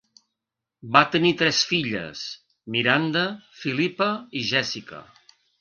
Van tenir tres filles, Miranda, Philippa, i Jessica.